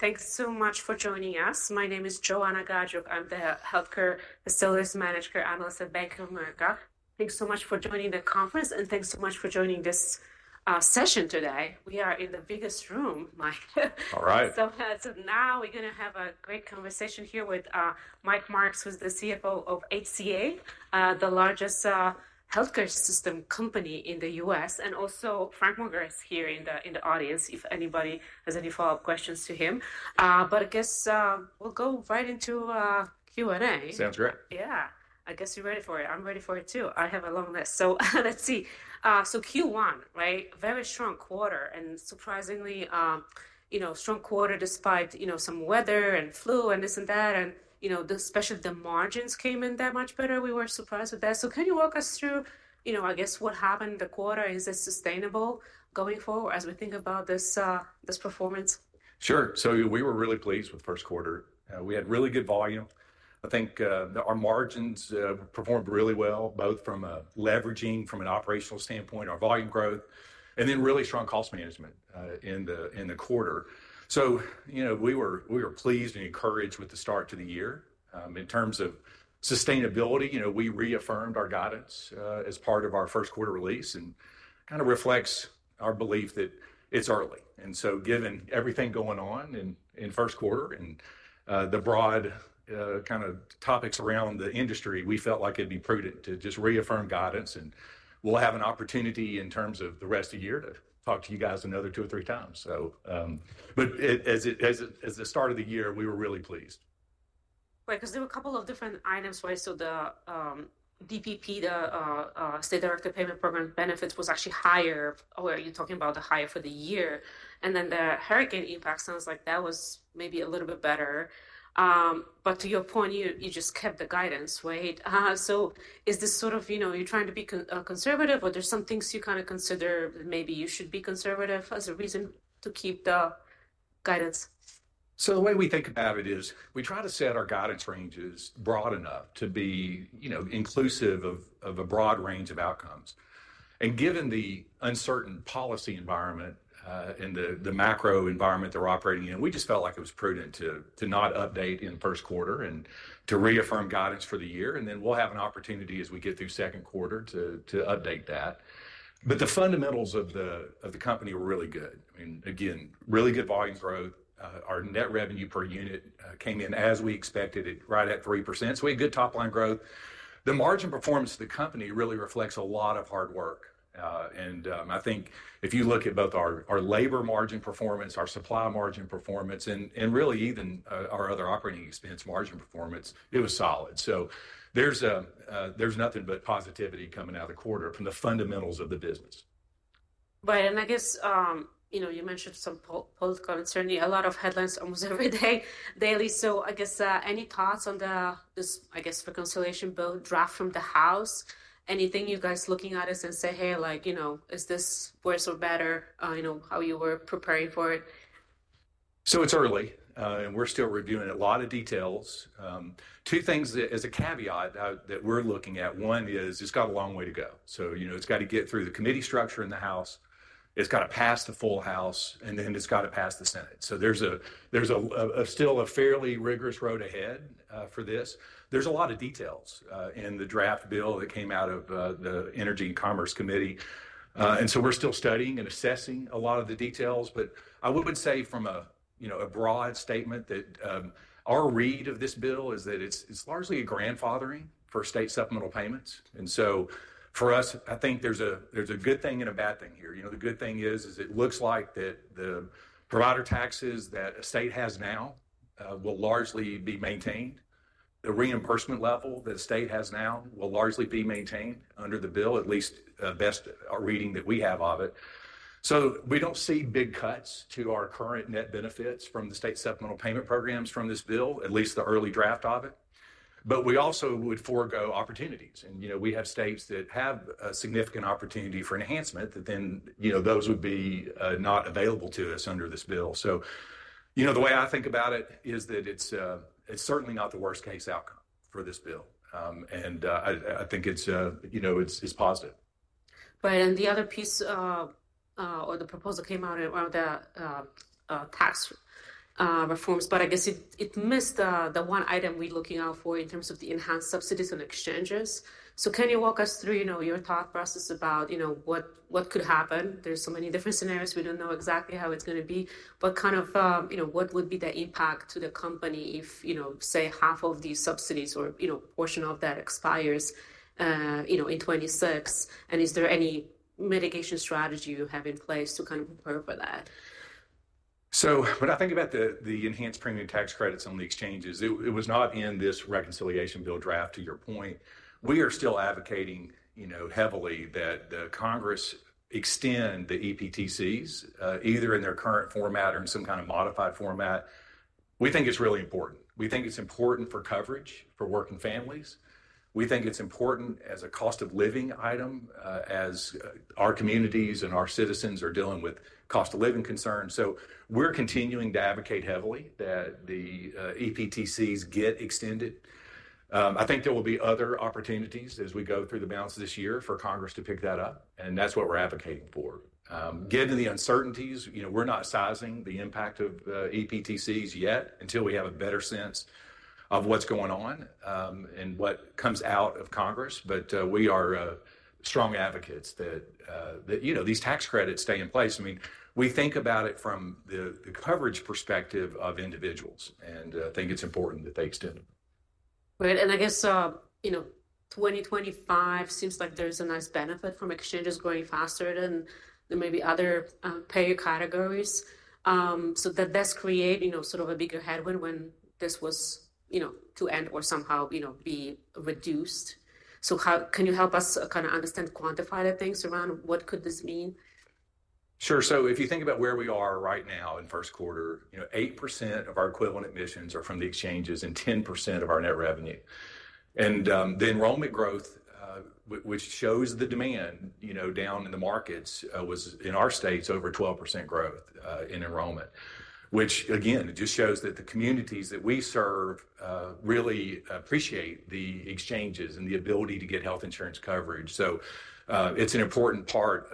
Thanks so much for joining us. My name is Joanna Gajuk. I'm the Healthcare Facilities Manager Analyst at Bank of America. Thanks so much for joining the conference, and thanks so much for joining this session today. We are in the biggest room, Mike. All right. Now we're going to have a great conversation here with Mike Marks, who's the CFO of HCA Healthcare, the largest healthcare system company in the U.S. and also Frank Morgan is here in the audience if anybody has any follow-up questions to him. I guess we'll go right into Q&A. Sounds great. Yeah, I guess you're ready for it. I'm ready for it too. I have a long list. Let's see. Q1, right? Very strong quarter and surprisingly, you know, strong quarter despite, you know, some weather and flu and this and that. You know, especially the margins came in that much better. We were surprised with that. Can you walk us through, you know, I guess what happened? The quarter, is it sustainable going forward as we think about this performance? Sure. We were really pleased with first quarter. We had really good volume. I think our margins performed really well, both from leveraging from an operational standpoint, our volume growth, and then really strong cost management in the quarter. You know, we were pleased and encouraged with the start to the year in terms of sustainability. You know, we reaffirmed our guidance as part of our first quarter release and kind of reflects our belief that it's early. Given everything going on in first quarter and the broad kind of topics around the industry, we felt like it'd be prudent to just reaffirm guidance. We'll have an opportunity in terms of the rest of the year to talk to you guys another two or three times. As the start of the year, we were really pleased. Right. Because there were a couple of different items. So the DPP, the State Directed Payment Program benefits was actually higher. You're talking about the higher for the year. And then the hurricane impact, sounds like that was maybe a little bit better. But to your point, you just kept the guidance, right? So is this sort of, you know, you're trying to be conservative or there's some things you kind of consider that maybe you should be conservative as a reason to keep the guidance? The way we think about it is we try to set our guidance ranges broad enough to be, you know, inclusive of a broad range of outcomes. Given the uncertain policy environment and the macro environment they're operating in, we just felt like it was prudent to not update in first quarter and to reaffirm guidance for the year. We will have an opportunity as we get through second quarter to update that. The fundamentals of the company are really good. I mean, again, really good volume growth. Our net revenue per unit came in as we expected it, right at 3%. We had good top line growth. The margin performance of the company really reflects a lot of hard work. I think if you look at both our labor margin performance, our supply margin performance, and really even our other operating expense margin performance, it was solid. There is nothing but positivity coming out of the quarter from the fundamentals of the business. Right. I guess, you know, you mentioned some post-concerny, a lot of headlines almost every day, daily. I guess any thoughts on this, I guess, reconciliation bill draft from the House? Anything you guys looking at us and say, hey, like, you know, is this worse or better, you know, how you were preparing for it? It's early and we're still reviewing a lot of details. Two things as a caveat that we're looking at. One is it's got a long way to go. You know, it's got to get through the committee structure in the House. It's got to pass the full House, and then it's got to pass the Senate. There's still a fairly rigorous road ahead for this. There's a lot of details in the draft bill that came out of the Energy and Commerce Committee. We're still studying and assessing a lot of the details. I would say from a, you know, a broad statement that our read of this bill is that it's largely a grandfathering for state supplemental payments. For us, I think there's a good thing and a bad thing here. You know, the good thing is, is it looks like that the provider taxes that a state has now will largely be maintained. The reimbursement level that a state has now will largely be maintained under the bill, at least best reading that we have of it. We do not see big cuts to our current net benefits from the state supplemental payment programs from this bill, at least the early draft of it. We also would forego opportunities. And, you know, we have states that have a significant opportunity for enhancement that then, you know, those would be not available to us under this bill. You know, the way I think about it is that it is certainly not the worst case outcome for this bill. I think it is, you know, it is positive. Right. The other piece or the proposal came out around the tax reforms, but I guess it missed the one item we're looking out for in terms of the enhanced subsidies and exchanges. Can you walk us through, you know, your thought process about, you know, what could happen? There are so many different scenarios. We do not know exactly how it's going to be, but kind of, you know, what would be the impact to the company if, you know, say half of these subsidies or, you know, a portion of that expires, you know, in 2026? Is there any mitigation strategy you have in place to kind of prepare for that? When I think about the enhanced premium tax credits on the exchanges, it was not in this reconciliation bill draft, to your point. We are still advocating, you know, heavily that the Congress extend the EPTCs either in their current format or in some kind of modified format. We think it's really important. We think it's important for coverage for working families. We think it's important as a cost of living item as our communities and our citizens are dealing with cost of living concerns. We're continuing to advocate heavily that the EPTCs get extended. I think there will be other opportunities as we go through the balance of this year for Congress to pick that up. That's what we're advocating for. Given the uncertainties, you know, we're not sizing the impact of EPTCs yet until we have a better sense of what's going on and what comes out of Congress. But we are strong advocates that, you know, these tax credits stay in place. I mean, we think about it from the coverage perspective of individuals and I think it's important that they extend it. Right. I guess, you know, 2025 seems like there's a nice benefit from exchanges going faster than maybe other payer categories. That does create, you know, sort of a bigger headwind when this was, you know, to end or somehow, you know, be reduced. Can you help us kind of understand, quantify the things around what could this mean? Sure. If you think about where we are right now in first quarter, you know, 8% of our equivalent admissions are from the exchanges and 10% of our net revenue. The enrollment growth, which shows the demand, you know, down in the markets, was in our states over 12% growth in enrollment, which again, it just shows that the communities that we serve really appreciate the exchanges and the ability to get health insurance coverage. It is an important part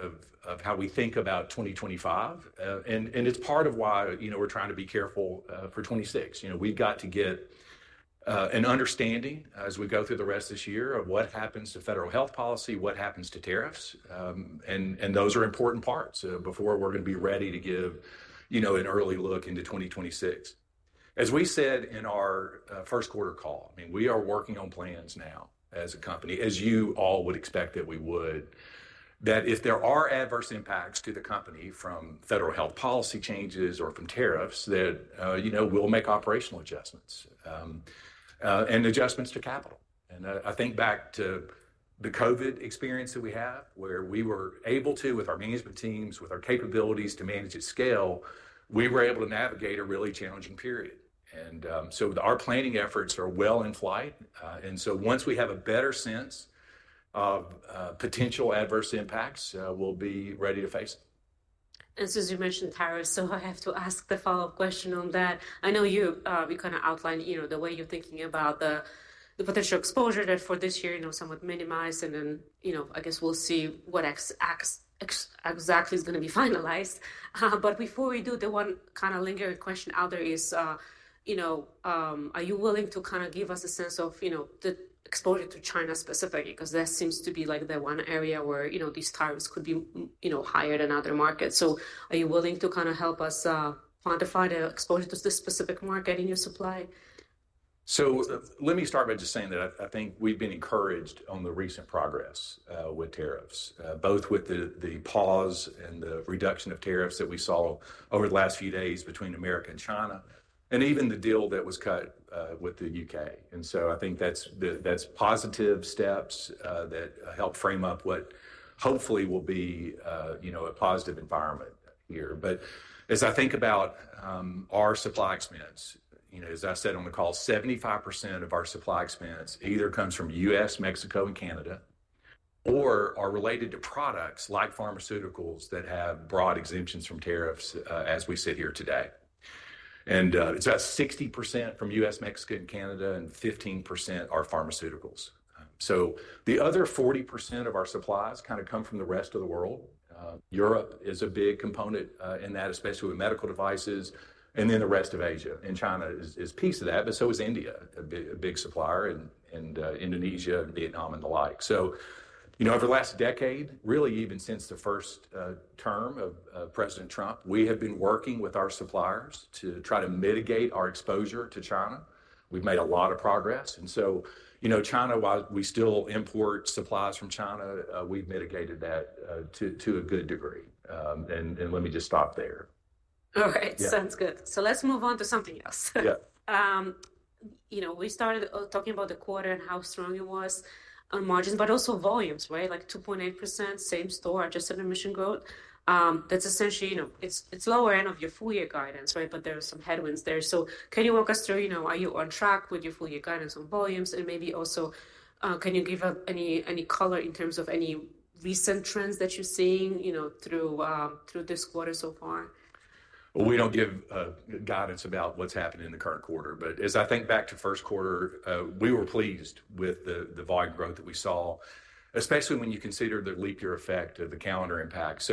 of how we think about 2025. It is part of why, you know, we are trying to be careful for 2026. You know, we have got to get an understanding as we go through the rest of this year of what happens to federal health policy, what happens to tariffs. Those are important parts before we are going to be ready to give, you know, an early look into 2026. As we said in our first quarter call, I mean, we are working on plans now as a company, as you all would expect that we would, that if there are adverse impacts to the company from federal health policy changes or from tariffs, that, you know, we will make operational adjustments and adjustments to capital. I think back to the COVID experience that we have, where we were able to, with our management teams, with our capabilities to manage at scale, we were able to navigate a really challenging period. Our planning efforts are well in flight. Once we have a better sense of potential adverse impacts, we will be ready to face them. As you mentioned, tariffs. I have to ask the follow-up question on that. I know you kind of outlined, you know, the way you're thinking about the potential exposure that for this year, you know, somewhat minimized. You know, I guess we'll see what exactly is going to be finalized. Before we do, the one kind of lingering question out there is, you know, are you willing to kind of give us a sense of, you know, the exposure to China specifically? Because that seems to be like the one area where, you know, these tariffs could be, you know, higher than other markets. Are you willing to kind of help us quantify the exposure to this specific market in your supply? Let me start by just saying that I think we've been encouraged on the recent progress with tariffs, both with the pause and the reduction of tariffs that we saw over the last few days between the U.S. and China and even the deal that was cut with the U.K. I think that's positive steps that help frame up what hopefully will be, you know, a positive environment here. As I think about our supply expense, you know, as I said on the call, 75% of our supply expense either comes from the U.S., Mexico, and Canada or are related to products like pharmaceuticals that have broad exemptions from tariffs as we sit here today. It's about 60% from the U.S., Mexico, and Canada, and 15% are pharmaceuticals. The other 40% of our supplies kind of come from the rest of the world. Europe is a big component in that, especially with medical devices. The rest of Asia and China is a piece of that. India is a big supplier, and Indonesia and Vietnam and the like. You know, over the last decade, really even since the first term of President Trump, we have been working with our suppliers to try to mitigate our exposure to China. We've made a lot of progress. You know, China, while we still import supplies from China, we've mitigated that to a good degree. Let me just stop there. All right. Sounds good. Let's move on to something else. Yeah. You know, we started talking about the quarter and how strong it was on margins, but also volumes, right? Like 2.8%, same store, adjusted admission growth. That's essentially, you know, it's lower end of your full year guidance, right? There are some headwinds there. Can you walk us through, you know, are you on track with your full year guidance on volumes? Maybe also can you give us any color in terms of any recent trends that you're seeing, you know, through this quarter so far? We do not give guidance about what has happened in the current quarter. As I think back to first quarter, we were pleased with the volume growth that we saw, especially when you consider the leap year effect of the calendar impact.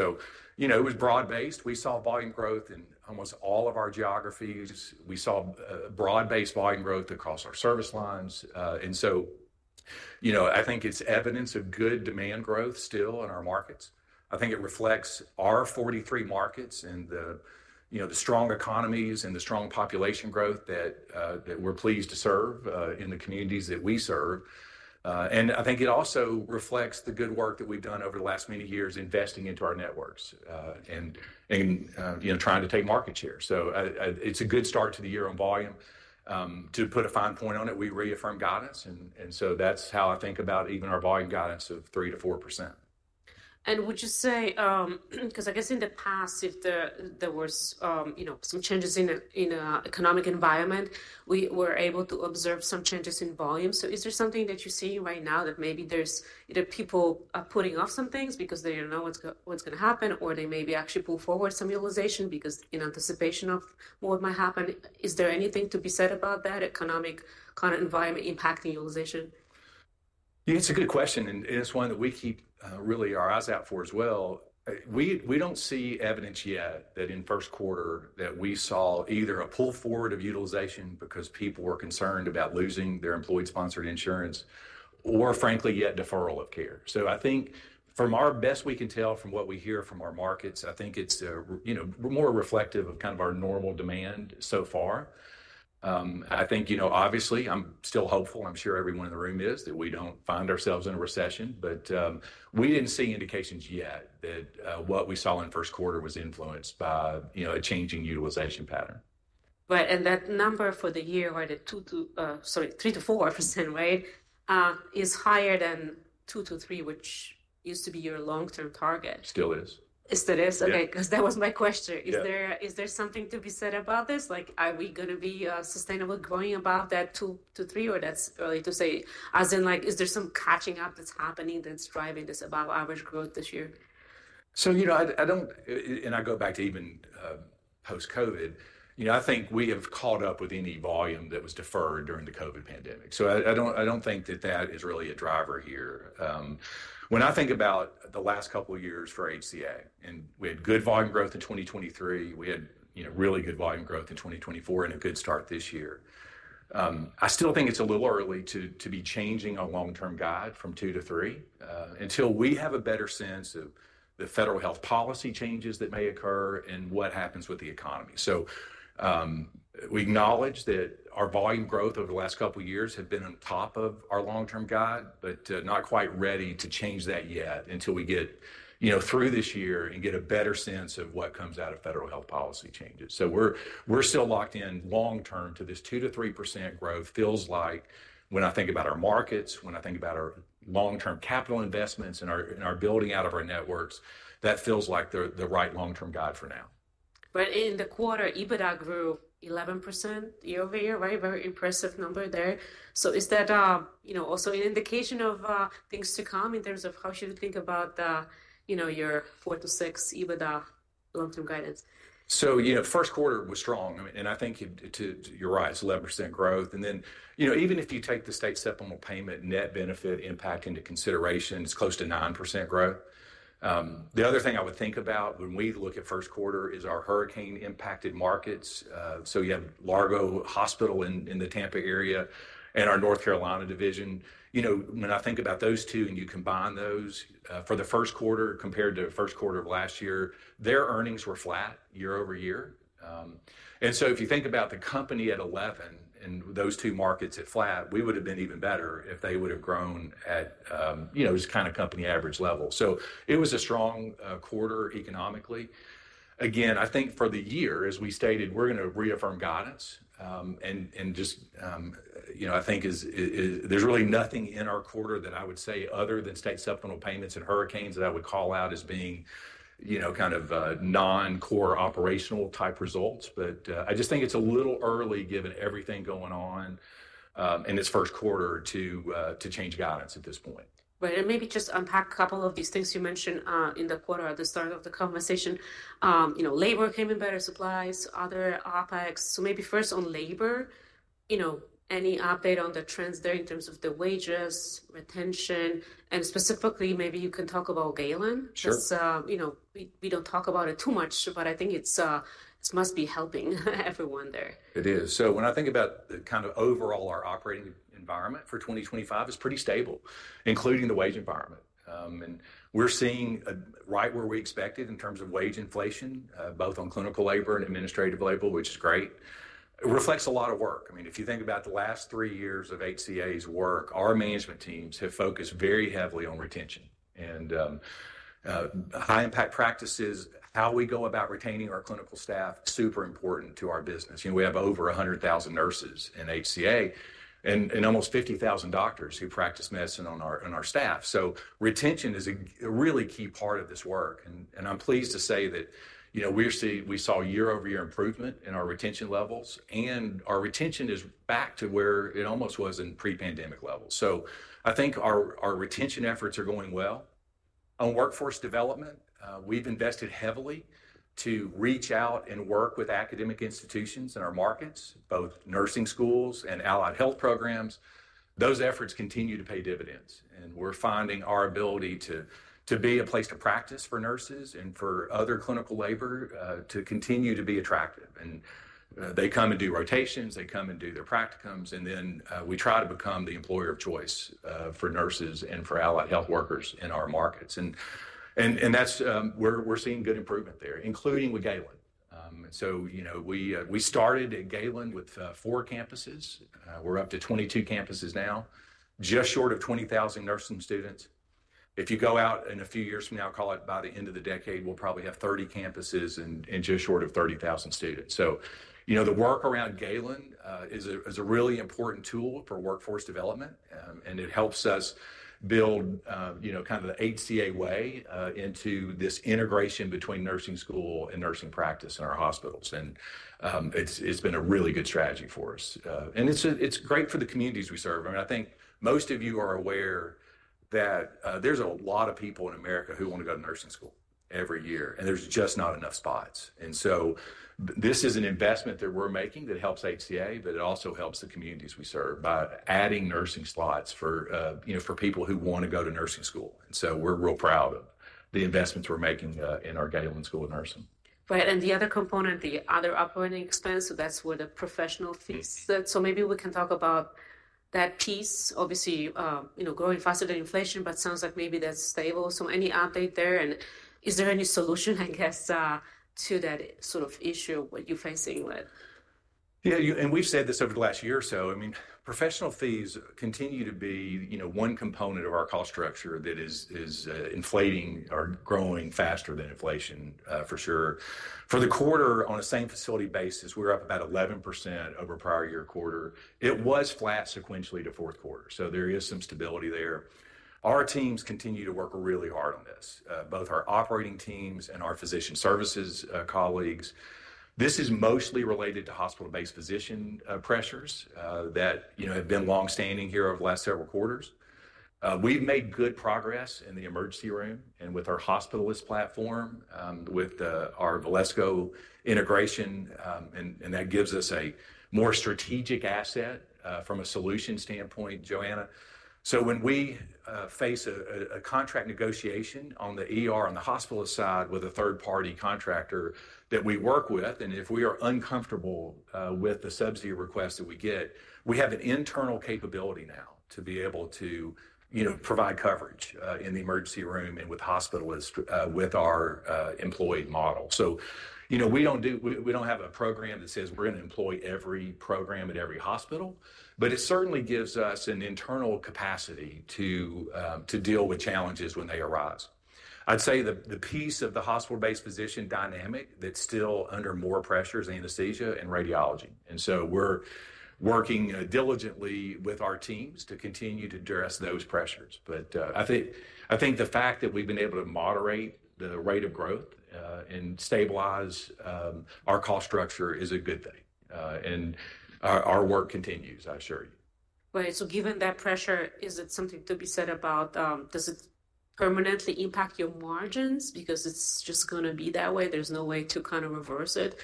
You know, it was broad-based. We saw volume growth in almost all of our geographies. We saw broad-based volume growth across our service lines. You know, I think it is evidence of good demand growth still in our markets. I think it reflects our 43 markets and the, you know, the strong economies and the strong population growth that we are pleased to serve in the communities that we serve. I think it also reflects the good work that we have done over the last many years investing into our networks and, you know, trying to take market share. It's a good start to the year on volume. To put a fine point on it, we reaffirm guidance. That's how I think about even our volume guidance of 3%-4%. Would you say, because I guess in the past, if there was, you know, some changes in an economic environment, we were able to observe some changes in volume. Is there something that you're seeing right now that maybe there's either people putting off some things because they don't know what's going to happen, or they maybe actually pull forward some utilization because in anticipation of what might happen? Is there anything to be said about that economic kind of environment impacting utilization? Yeah, it's a good question. It's one that we keep really our eyes out for as well. We don't see evidence yet that in first quarter that we saw either a pull forward of utilization because people were concerned about losing their employee-sponsored insurance or, frankly, yet deferral of care. I think from our best we can tell from what we hear from our markets, I think it's, you know, more reflective of kind of our normal demand so far. I think, you know, obviously I'm still hopeful. I'm sure everyone in the room is that we don't find ourselves in a recession. We didn't see indications yet that what we saw in first quarter was influenced by, you know, a changing utilization pattern. Right. And that number for the year where the two to, sorry, three to four, right, is higher than two to three, which used to be your long-term target. Still is. Still is? Okay. Because that was my question. Is there something to be said about this? Like, are we going to be sustainable going about that two to three, or that's early to say? As in, like, is there some catching up that's happening that's driving this above-average growth this year? You know, I don't, and I go back to even post-COVID, you know, I think we have caught up with any volume that was deferred during the COVID pandemic. I don't think that that is really a driver here. When I think about the last couple of years for HCA Healthcare, and we had good volume growth in 2023. We had really good volume growth in 2024 and a good start this year. I still think it's a little early to be changing our long-term guide from 2-3 until we have a better sense of the federal health policy changes that may occur and what happens with the economy. We acknowledge that our volume growth over the last couple of years has been on top of our long-term guide, but not quite ready to change that yet until we get, you know, through this year and get a better sense of what comes out of federal health policy changes. We are still locked in long-term to this 2%-3% growth. Feels like when I think about our markets, when I think about our long-term capital investments and our building out of our networks, that feels like the right long-term guide for now. In the quarter, EBITDA grew 11% year over year, right? Very impressive number there. So is that, you know, also an indication of things to come in terms of how should you think about, you know, your four to six percent EBITDA long-term guidance? You know, first quarter was strong. I think to your right, it's 11% growth. You know, even if you take the state supplemental payment net benefit impact into consideration, it's close to nine percent growth. The other thing I would think about when we look at first quarter is our hurricane-impacted markets. You have Largo Hospital in the Tampa area and our North Carolina division. You know, when I think about those two and you combine those for the first quarter compared to first quarter of last year, their earnings were flat year over year. If you think about the company at 11 and those two markets at flat, we would have been even better if they would have grown at, you know, just kind of company average level. It was a strong quarter economically. Again, I think for the year, as we stated, we're going to reaffirm guidance. And just, you know, I think there's really nothing in our quarter that I would say other than state supplemental payments and hurricanes that I would call out as being, you know, kind of non-core operational type results. But I just think it's a little early given everything going on in this first quarter to change guidance at this point. Right. Maybe just unpack a couple of these things you mentioned in the quarter at the start of the conversation. You know, labor came in better, supplies, other OPEX. Maybe first on labor, you know, any update on the trends there in terms of the wages, retention, and specifically maybe you can talk about Galen. Sure. Because, you know, we don't talk about it too much, but I think it must be helping everyone there. It is. When I think about kind of overall our operating environment for 2025, it's pretty stable, including the wage environment. We're seeing right where we expected in terms of wage inflation, both on clinical labor and administrative labor, which is great. It reflects a lot of work. I mean, if you think about the last three years of HCA Healthcare's work, our management teams have focused very heavily on retention and high-impact practices, how we go about retaining our clinical staff, super important to our business. You know, we have over 100,000 nurses in HCA Healthcare and almost 50,000 doctors who practice medicine on our staff. Retention is a really key part of this work. I'm pleased to say that, you know, we saw year-over-year improvement in our retention levels. Our retention is back to where it almost was in pre-pandemic levels. I think our retention efforts are going well. On workforce development, we've invested heavily to reach out and work with academic institutions in our markets, both nursing schools and allied health programs. Those efforts continue to pay dividends. We're finding our ability to be a place to practice for nurses and for other clinical labor to continue to be attractive. They come and do rotations. They come and do their practicums. We try to become the employer of choice for nurses and for allied health workers in our markets. That's where we're seeing good improvement there, including with Galen. You know, we started at Galen with four campuses. We're up to 22 campuses now, just short of 20,000 nursing students. If you go out in a few years from now, call it by the end of the decade, we'll probably have 30 campuses and just short of 30,000 students. You know, the work around Galen is a really important tool for workforce development. It helps us build, you know, kind of the HCA way into this integration between nursing school and nursing practice in our hospitals. It's been a really good strategy for us. It's great for the communities we serve. I mean, I think most of you are aware that there's a lot of people in America who want to go to nursing school every year. There's just not enough spots. This is an investment that we're making that helps HCA Healthcare, but it also helps the communities we serve by adding nursing slots for, you know, for people who want to go to nursing school. We're real proud of the investments we're making in our Galen College of Nursing. Right. The other component, the other operating expense, that is where the professional fees sit. Maybe we can talk about that piece. Obviously, you know, growing faster than inflation, but it sounds like maybe that is stable. Any update there? Is there any solution, I guess, to that sort of issue you are facing with? Yeah. And we've said this over the last year or so. I mean, professional fees continue to be, you know, one component of our cost structure that is inflating or growing faster than inflation for sure. For the quarter, on a same facility basis, we're up about 11% over prior year quarter. It was flat sequentially to fourth quarter. There is some stability there. Our teams continue to work really hard on this, both our operating teams and our physician services colleagues. This is mostly related to hospital-based physician pressures that, you know, have been long-standing here over the last several quarters. We've made good progress in the emergency room and with our hospitalist platform, with our Valesco integration. That gives us a more strategic asset from a solution standpoint, Joanna. When we face a contract negotiation on the hospitalist side with a third-party contractor that we work with, and if we are uncomfortable with the subsidy requests that we get, we have an internal capability now to be able to, you know, provide coverage in the emergency room and with hospitalists with our employee model. You know, we do not have a program that says we're going to employ every program at every hospital, but it certainly gives us an internal capacity to deal with challenges when they arise. I'd say the piece of the hospital-based physician dynamic that's still under more pressure is anesthesia and radiology. We are working diligently with our teams to continue to address those pressures. I think the fact that we've been able to moderate the rate of growth and stabilize our cost structure is a good thing. Our work continues, I assure you. Right. So given that pressure, is it something to be said about, does it permanently impact your margins? Because it's just going to be that way. There's no way to kind of reverse it.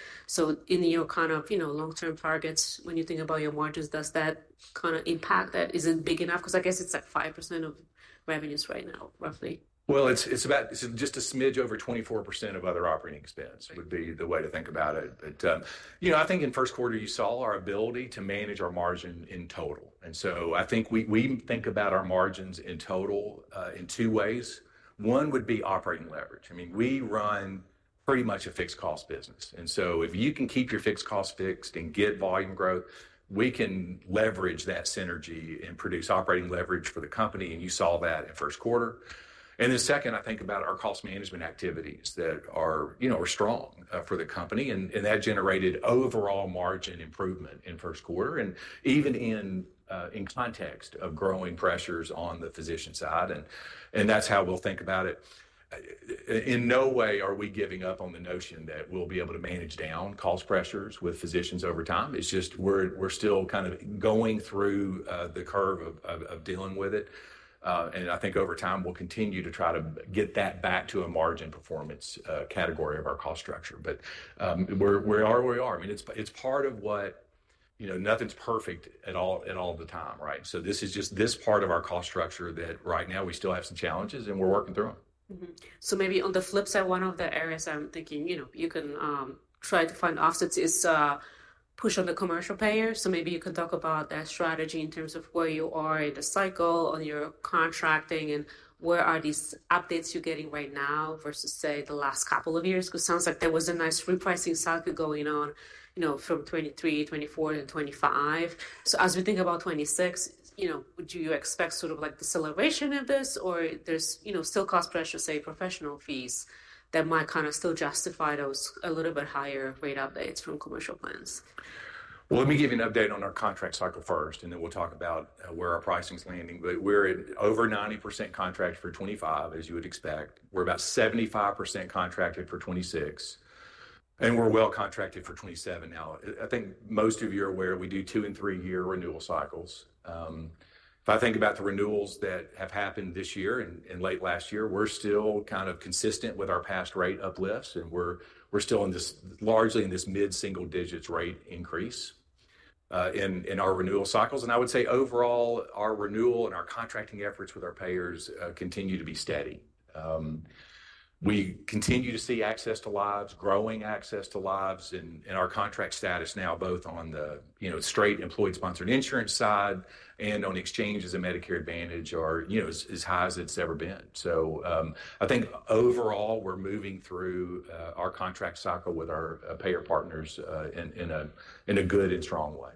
In your kind of, you know, long-term targets, when you think about your margins, does that kind of impact that? Is it big enough? Because I guess it's like 5% of revenues right now, roughly. It's about just a smidge over 24% of other operating expense would be the way to think about it. You know, I think in first quarter, you saw our ability to manage our margin in total. I think we think about our margins in total in two ways. One would be operating leverage. I mean, we run pretty much a fixed cost business. If you can keep your fixed costs fixed and get volume growth, we can leverage that synergy and produce operating leverage for the company. You saw that in first quarter. Then second, I think about our cost management activities that are, you know, strong for the company. That generated overall margin improvement in first quarter and even in context of growing pressures on the physician side. That's how we'll think about it. In no way are we giving up on the notion that we'll be able to manage down cost pressures with physicians over time. It's just we're still kind of going through the curve of dealing with it. I think over time, we'll continue to try to get that back to a margin performance category of our cost structure. But we're where we are. I mean, it's part of what, you know, nothing's perfect at all at all the time, right? This is just this part of our cost structure that right now we still have some challenges and we're working through them. Maybe on the flip side, one of the areas I'm thinking, you know, you can try to find offsets is push on the commercial payers. Maybe you can talk about that strategy in terms of where you are in the cycle on your contracting and where are these updates you're getting right now versus, say, the last couple of years? It sounds like there was a nice repricing cycle going on, you know, from 2023, 2024, and 2025. As we think about 2026, you know, would you expect sort of like the celebration of this or there's, you know, still cost pressure, say, professional fees that might kind of still justify those a little bit higher rate updates from commercial plans? Let me give you an update on our contract cycle first, and then we'll talk about where our pricing's landing. We're at over 90% contracted for 2025, as you would expect. We're about 75% contracted for 2026. We're well contracted for 2027 now. I think most of you are aware, we do two and three-year renewal cycles. If I think about the renewals that have happened this year and late last year, we're still kind of consistent with our past rate uplifts. We're still largely in this mid-single digits rate increase in our renewal cycles. I would say overall, our renewal and our contracting efforts with our payers continue to be steady. We continue to see access to lives, growing access to lives in our contract status now, both on the, you know, straight employee-sponsored insurance side and on exchanges and Medicare Advantage are, you know, as high as it's ever been. I think overall, we're moving through our contract cycle with our payer partners in a good and strong way.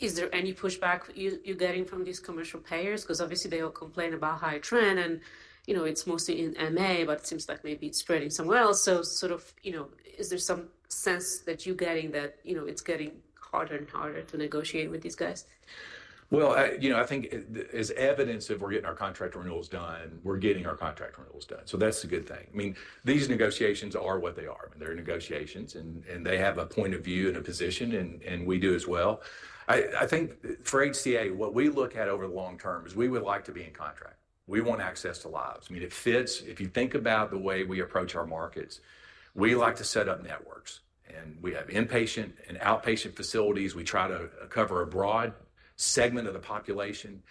Is there any pushback you're getting from these commercial payers? Because obviously they all complain about high trend and, you know, it's mostly in MA, but it seems like maybe it's spreading somewhere else. So sort of, you know, is there some sense that you're getting that, you know, it's getting harder and harder to negotiate with these guys? You know, I think as evidence of we're getting our contract renewals done, we're getting our contract renewals done. That's a good thing. I mean, these negotiations are what they are. I mean, they're negotiations and they have a point of view and a position and we do as well. I think for HCA, what we look at over the long term is we would like to be in contract. We want access to lives. I mean, it fits. If you think about the way we approach our markets, we like to set up networks and we have inpatient and outpatient facilities. We try to cover a broad segment of the population.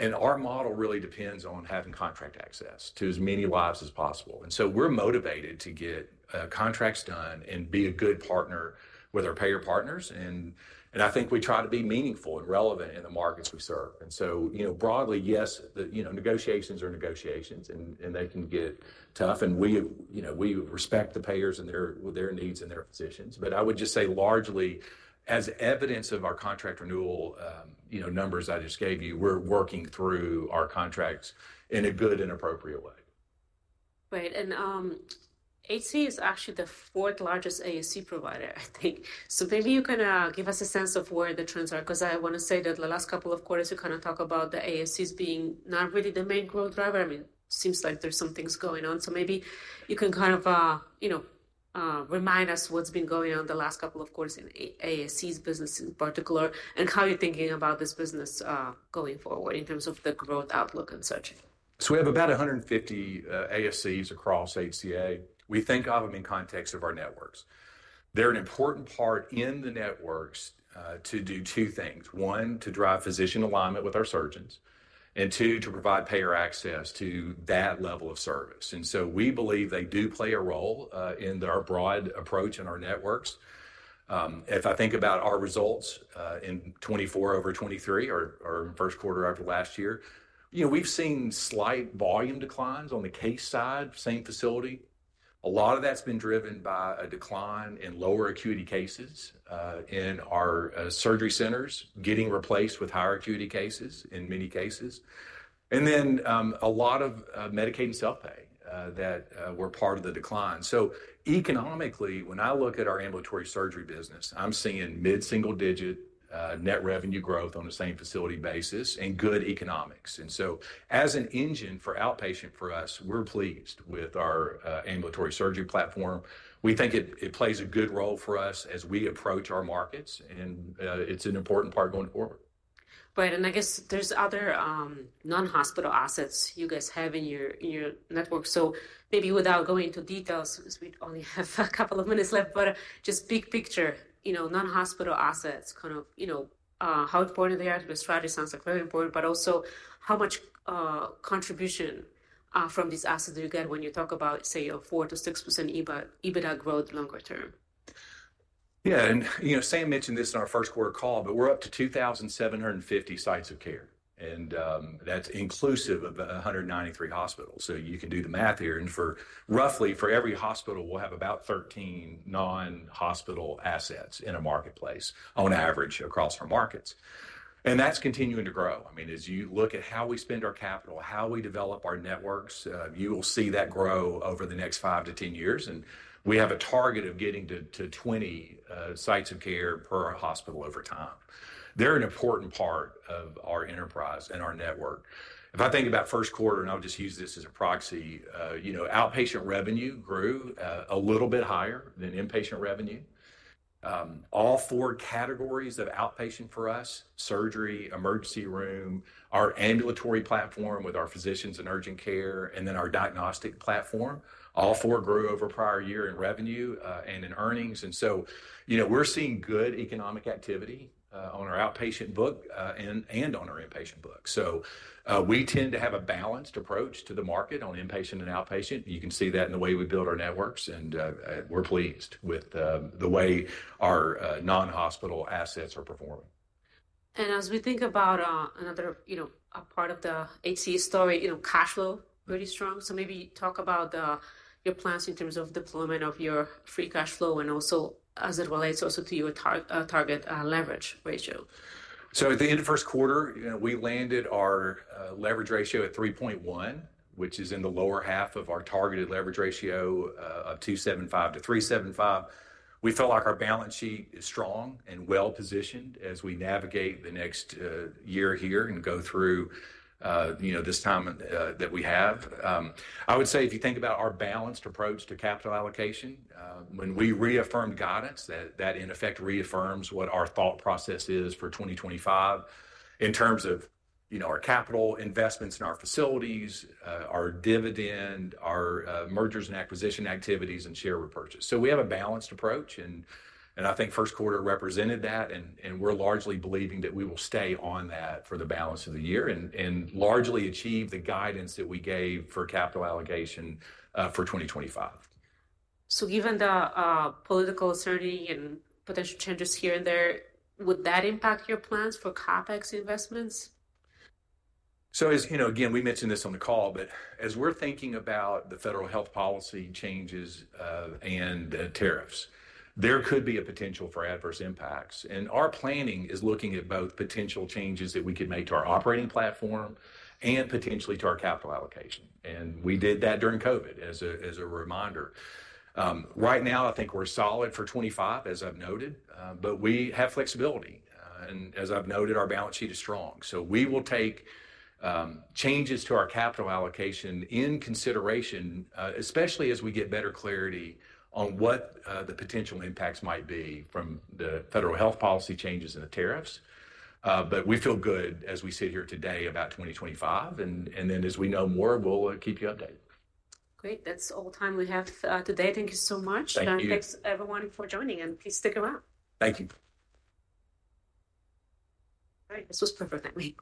Our model really depends on having contract access to as many lives as possible. We're motivated to get contracts done and be a good partner with our payer partners. I think we try to be meaningful and relevant in the markets we serve. You know, broadly, yes, you know, negotiations are negotiations and they can get tough. We, you know, we respect the payers and their needs and their positions. I would just say largely as evidence of our contract renewal, you know, numbers I just gave you, we're working through our contracts in a good and appropriate way. Right. HCA is actually the fourth largest ASC provider, I think. Maybe you can give us a sense of where the trends are. I want to say that the last couple of quarters, you kind of talk about the ASCs being not really the main growth driver. I mean, it seems like there's some things going on. Maybe you can kind of, you know, remind us what's been going on the last couple of quarters in ASCs business in particular and how you're thinking about this business going forward in terms of the growth outlook and such. We have about 150 ASCs across HCA. We think of them in context of our networks. They're an important part in the networks to do two things. One, to drive physician alignment with our surgeons. Two, to provide payer access to that level of service. We believe they do play a role in our broad approach and our networks. If I think about our results in 2024 over 2023 or first quarter of last year, you know, we've seen slight volume declines on the case side, same facility. A lot of that's been driven by a decline in lower acuity cases in our surgery centers getting replaced with higher acuity cases in many cases. A lot of Medicaid and self-pay that were part of the decline. Economically, when I look at our ambulatory surgery business, I'm seeing mid-single digit net revenue growth on the same facility basis and good economics. As an engine for outpatient for us, we're pleased with our ambulatory surgery platform. We think it plays a good role for us as we approach our markets. It's an important part going forward. Right. I guess there's other non-hospital assets you guys have in your network. Maybe without going into details, since we only have a couple of minutes left, just big picture, you know, non-hospital assets, kind of, you know, how important they are to the strategy sounds like very important, but also how much contribution from these assets do you get when you talk about, say, a 4-6% EBITDA growth longer term? Yeah. And, you know, Sam mentioned this in our first quarter call, but we're up to 2,750 sites of care. And that's inclusive of 193 hospitals. You can do the math here. For roughly every hospital, we'll have about 13 non-hospital assets in a marketplace on average across our markets. That is continuing to grow. I mean, as you look at how we spend our capital, how we develop our networks, you will see that grow over the next 5-10 years. We have a target of getting to 20 sites of care per hospital over time. They are an important part of our enterprise and our network. If I think about first quarter, and I'll just use this as a proxy, you know, outpatient revenue grew a little bit higher than inpatient revenue. All four categories of outpatient for us, surgery, emergency room, our ambulatory platform with our physicians and urgent care, and then our diagnostic platform, all four grew over prior year in revenue and in earnings. And so, you know, we're seeing good economic activity on our outpatient book and on our inpatient book. We tend to have a balanced approach to the market on inpatient and outpatient. You can see that in the way we build our networks. We're pleased with the way our non-hospital assets are performing. As we think about another, you know, a part of the HCA story, you know, cash flow very strong. Maybe talk about your plans in terms of deployment of your free cash flow and also as it relates also to your target leverage ratio. At the end of first quarter, we landed our leverage ratio at 3.1, which is in the lower half of our targeted leverage ratio of 2.75-3.75. We feel like our balance sheet is strong and well positioned as we navigate the next year here and go through, you know, this time that we have. I would say if you think about our balanced approach to capital allocation, when we reaffirm guidance, that in effect reaffirms what our thought process is for 2025 in terms of, you know, our capital investments in our facilities, our dividend, our mergers and acquisition activities, and share repurchase. We have a balanced approach. I think first quarter represented that. We are largely believing that we will stay on that for the balance of the year and largely achieve the guidance that we gave for capital allocation for 2025. Given the political surety and potential changes here and there, would that impact your plans for CapEx investments? As you know, again, we mentioned this on the call, but as we're thinking about the federal health policy changes and tariffs, there could be a potential for adverse impacts. Our planning is looking at both potential changes that we could make to our operating platform and potentially to our capital allocation. We did that during COVID as a reminder. Right now, I think we're solid for 2025, as I've noted, but we have flexibility. As I've noted, our balance sheet is strong. We will take changes to our capital allocation in consideration, especially as we get better clarity on what the potential impacts might be from the federal health policy changes and the tariffs. We feel good as we sit here today about 2025. As we know more, we'll keep you updated. Great. That's all the time we have today. Thank you so much. Thank you everyone for joining. Please stick around. Thank you. All right. This was perfect. Thank you.